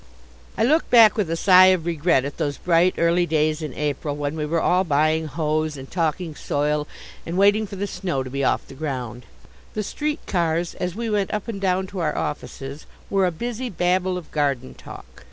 I look back with a sigh of regret at those bright, early days in April when we were all buying hoes, and talking soil and waiting for the snow to be off the ground. The street cars, as we went up and down to our offices, were a busy babel of garden talk.